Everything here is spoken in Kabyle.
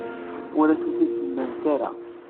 Ur asent-tt-id-mlant ara.